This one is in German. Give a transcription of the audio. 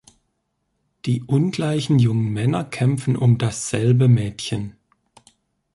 Die ungleichen jungen Männer kämpfen um dasselbe Mädchen.